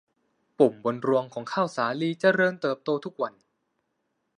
ปุ่มบนรวงของข้าวสาลีเจริญเติบโตทุกวัน